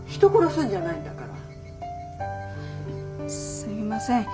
すいません。